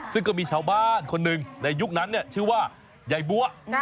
ซึ่งก็มีชาวบ้านคนหนึ่งในยุคนั้นชื่อว่ายายบัว